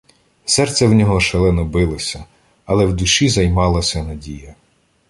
Серце в нього шалено билося, але в душі займалася надія.